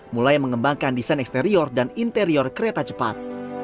mulai mengembangkan desain eksterior dan interior kereta cepat